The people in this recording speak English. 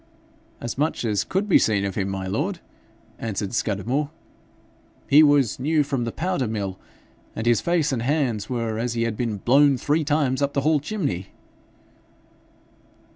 'As much as could be seen of him, my lord,' answered Scudamore. 'He was new from the powder mill, and his face and hands were as he had been blown three times up the hall chimney.'